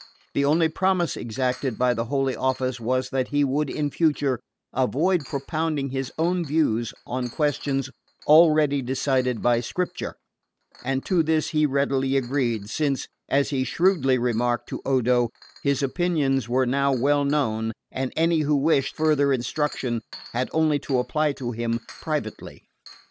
The only promise exacted by the Holy Office was that he should in future avoid propounding his own views on questions already decided by Scripture, and to this he readily agreed, since, as he shrewdly remarked to Odo, his opinions were now well known, and any who wished farther instruction had only to apply to him privately.